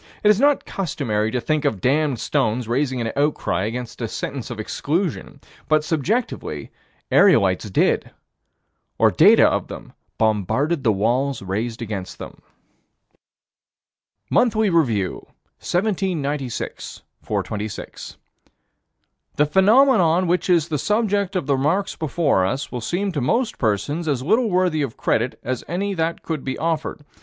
It is not customary to think of damned stones raising an outcry against a sentence of exclusion, but, subjectively, aerolites did or data of them bombarded the walls raised against them Monthly Review, 1796 426 "The phenomenon which is the subject of the remarks before us will seem to most persons as little worthy of credit as any that could be offered.